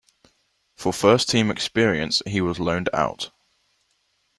For first team experience he was loaned out.